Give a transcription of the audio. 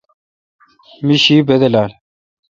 می شی بدلال ۔